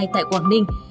tại quảng đinh